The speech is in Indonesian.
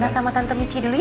nanti sama tante michi dulu ya